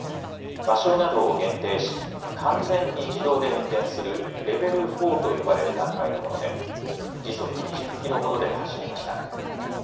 場所などを限定し、完全に自動で運転するレベル４と呼ばれる段階のもので、時速２０キロほどで走りました。